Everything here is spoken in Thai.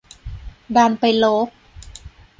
ดันไปลบ